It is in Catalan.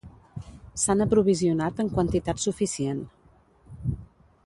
S'han aprovisionat en quantitat suficient.